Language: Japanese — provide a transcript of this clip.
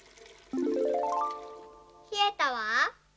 ひえたわ。